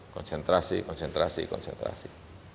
konsentrasi konsentrasi konsentrasi